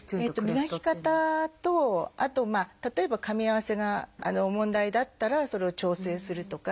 磨き方とあとまあ例えばかみ合わせが問題だったらそれを調整するとか。